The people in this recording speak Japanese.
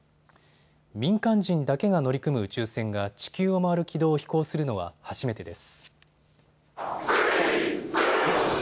民間人だけが乗り組む宇宙船が地球を回る軌道を飛行するのは初めてです。